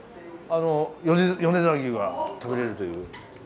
米沢牛が食べれるという。